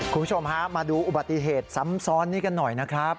คุณผู้ชมฮะมาดูอุบัติเหตุซ้ำซ้อนนี้กันหน่อยนะครับ